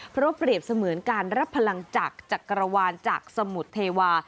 เพราะเปรียบเสมือนการรับพลังจากจักรวาลจากสมุทรเทวา